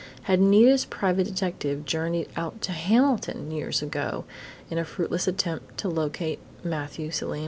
Had Nita's private detective journeyed out to Hamilton years ago in a fruitless attempt to locate "Matthew Selim?"